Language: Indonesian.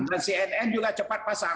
dan cnn juga cepat pasang